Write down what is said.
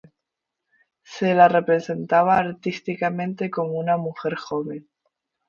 Se la representaba artísticamente como una mujer joven.